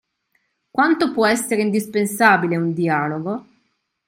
Quanto può essere indispensabile un dialogo?